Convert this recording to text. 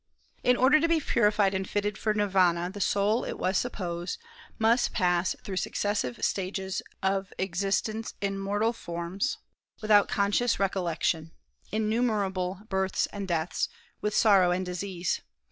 In order to be purified and fitted for Nirvana the soul, it was supposed, must pass through successive stages of existence in mortal forms, without conscious recollection, innumerable births and deaths, with sorrow and disease.